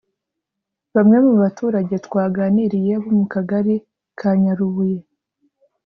Bamwe mu baturage twaganiriye bo mu Kagari Kanyarubuye